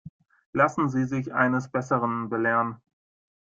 Lassen Sie sich eines Besseren belehren.